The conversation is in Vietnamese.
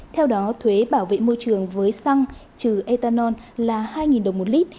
theo đó thuế bảo vệ môi trường với xăng trừ ethanol là hai đồng một lít